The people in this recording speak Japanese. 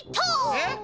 えっ？